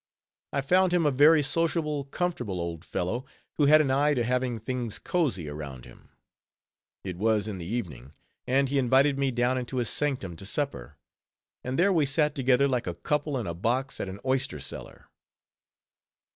I found him a very sociable, comfortable old fellow, who had an eye to having things cozy around him. It was in the evening; and he invited me down into his sanctum to supper; and there we sat together like a couple in a box at an oyster cellar.